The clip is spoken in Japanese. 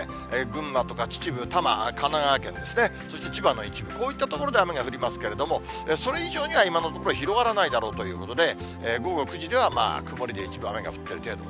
群馬とか秩父、多摩、神奈川県ですね、そして千葉の一部、こういった所で雨が降りますけれども、それ以上には今のところ、広がらないだろうということで、午後９時では曇りで一部雨が降ってる程度。